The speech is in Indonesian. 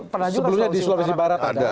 sebelumnya di sulawesi barat ada